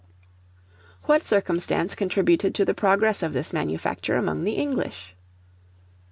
What circumstance contributed to the progress of this manufacture among the English?